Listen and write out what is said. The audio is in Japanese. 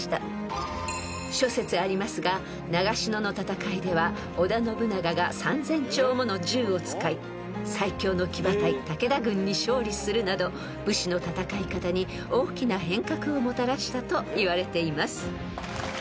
［諸説ありますが長篠の戦いでは織田信長が３，０００丁もの銃を使い最強の騎馬隊武田軍に勝利するなど武士の戦い方に大きな変革をもたらしたといわれています］